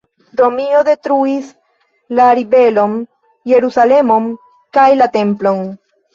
Romio detruis la ribelon, Jerusalemon kaj la Templon.